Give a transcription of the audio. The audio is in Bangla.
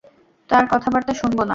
তার কথাবার্তা শুনব না।